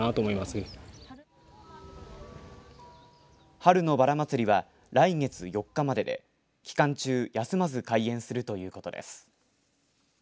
春のばら祭りは来月４日までで期間中休まず開園するということです。